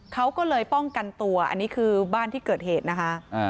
เขาก็เลยป้องกันตัวอันนี้คือบ้านที่เกิดเหตุนะคะ